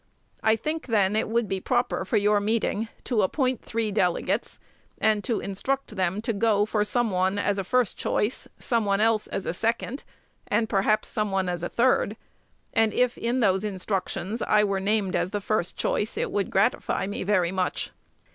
I think, then, it would be proper for your meeting to appoint three delegates, and to instruct them to go for some one as a first choice, some one else as a second, and perhaps some one as a third; and, if in those instructions I were named as the first choice, it would gratify me very much.